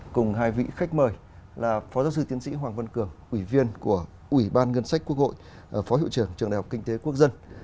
cùng hai vị khách mời là phó giáo sư tiến sĩ hoàng vân cường ủy viên của ủy ban ngân sách quốc hội phó hiệu trưởng trường đại học kinh tế quốc dân